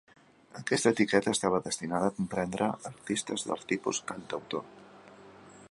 Aquesta etiqueta estava destinada a comprendre artistes del tipus cantautor.